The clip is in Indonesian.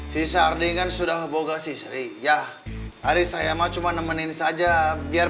si sarding kan sudah memboga si sri ya hari saya mah cuma nemenin saja biar